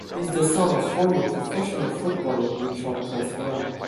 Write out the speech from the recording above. He is the son of former professional footballer Richard Cresswell.